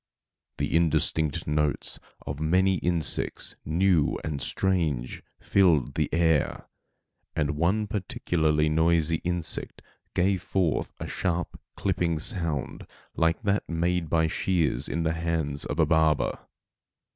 The indistinct notes of many insects, new and strange, filled the air, and one particularly noisy insect gave forth a sharp clipping sound like that made by shears in the hands of a barber.